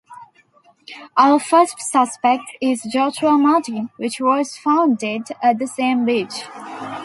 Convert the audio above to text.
Our first suspect is Joshua Martin, which was found dead at the same beach.